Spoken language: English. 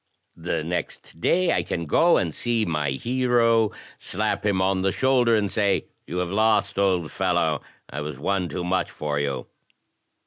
The next day I can go and see L)^m ':^^• DEDUCTION 99 my hero, slap him on the shoulder, and say, 'You have lost, old fellow; I was one too much for you!